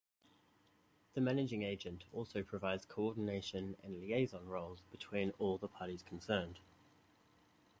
The managing agent also provides co-ordination and liaison roles between all the parties concerned.